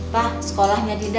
pak sekolahnya tidak disirahkan